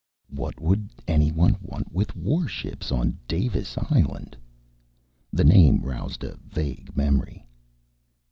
"What would anyone want with warships on Davis Island?" The name roused a vague memory.